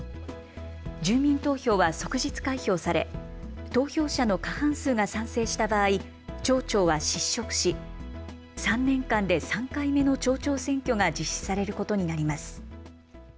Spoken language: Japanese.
住民投票は即日開票され投票者の過半数が賛成した場合、町長は失職し３年間で３回目の町長選挙が実施されることになります。